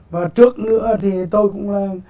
và trước nữa thì tôi cũng là